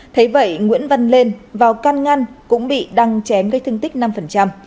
thấy vậy nguyễn văn lên vào căn ngăn cũng bị đăng chém gây thương tích năm